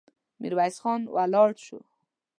ميرويس خان ولاړ شو.